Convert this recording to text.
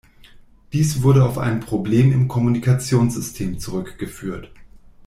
Dies wurde auf ein Problem im Kommunikationssystem zurückgeführt.